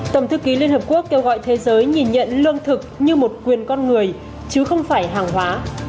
tổng thư ký liên hợp quốc kêu gọi thế giới nhìn nhận lương thực như một quyền con người chứ không phải hàng hóa